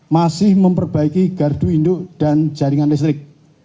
masih memperbaiki gardu induk dan jaringan listrik